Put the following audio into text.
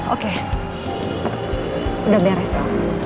oke udah beres ya